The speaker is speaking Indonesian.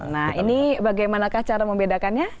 nah ini bagaimanakah cara membedakannya